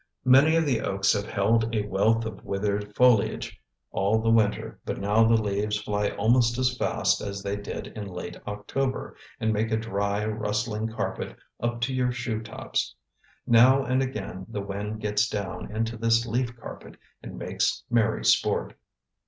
Many of the oaks have held a wealth of withered foliage all the winter but now the leaves fly almost as fast as they did in late October, and make a dry, rustling carpet up to your shoe tops. Now and again the wind gets down into this leaf carpet and makes merry sport.